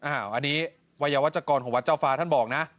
อันนี้วัยวัชกรของวัดเจ้าฟ้าท่านบอกนะ